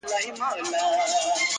ترې به سترگه ايستل كېږي په سيخونو!!